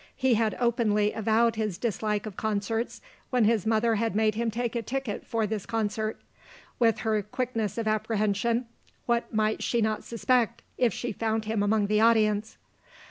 He had openly avowed his dislike of concerts, when his mother had made him take a ticket for this concert. With her quickness of apprehension what might she not suspect, if she found him among the audience?